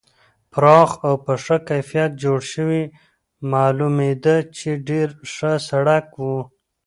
پراخ او په ښه کیفیت جوړ شوی معلومېده چې ډېر ښه سړک و.